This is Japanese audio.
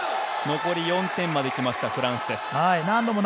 残り４点まできたフランスです。